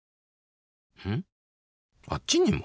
んっあっちにも？